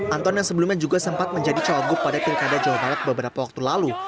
anton yang sebelumnya juga sempat menjadi cowok gug pada tim kd jawa barat beberapa waktu lalu